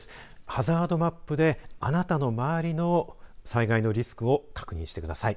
ハザードマップであなたの周りの災害のリスクを確認してください。